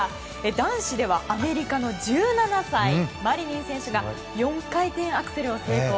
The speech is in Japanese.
男子ではアメリカの１７歳マリニン選手が４回転アクセルを成功。